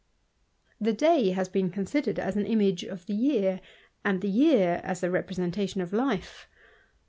The day has been considered as an image of the year, and the year as the representation of life.